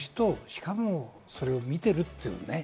しかもそれを見てると言うね。